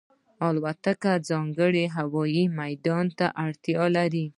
الوتکه ځانګړی هوايي میدان ته اړتیا لري.